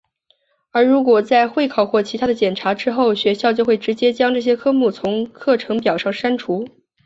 而如果在会考或其它的检查之后学校就直接将这些科目从课程表上删除。